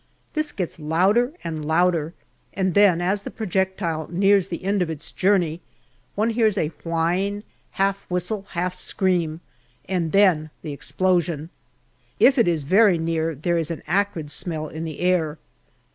This gets louder and louder, and then, as the projectile nears the end of its journey, one hears a whine, half whistle, half scream, and then the explosion. If it is very near there is an acrid smell in the air.